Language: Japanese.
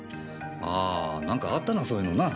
あ何かあったなそういうのな。